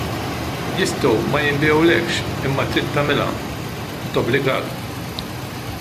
Jistgħu ma jinbigħulekx imma trid tagħmilha, tobbligak.